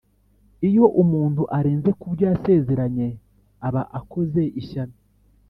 iyo umuntu arenze kubyo yasezeranye aba akoze ishyano,